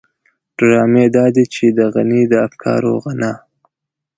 ډرامې دادي چې د غني د افکارو غنا.